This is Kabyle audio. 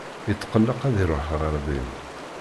Yetqelleq ad iruḥ ɣer din.